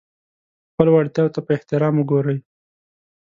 خپلو وړتیاوو ته په احترام وګورئ.